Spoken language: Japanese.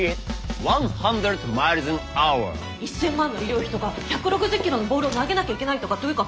１，０００万の医療費とか１６０キロのボールを投げなきゃいけないとかというか。